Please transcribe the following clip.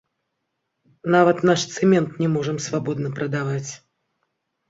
Нават наш цэмент не можам свабодна прадаваць.